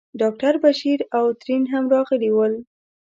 ډاکټر بشیر او ترین هم راغلي ول.